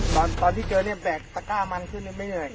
ตอนที่เจอเนี่ยแบกตะก้ามันขึ้นไม่เหนื่อย